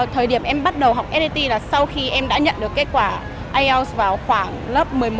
thời điểm em bắt đầu học st là sau khi em đã nhận được kết quả ielts vào khoảng lớp một mươi một